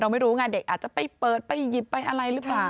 ไม่รู้ไงเด็กอาจจะไปเปิดไปหยิบไปอะไรหรือเปล่า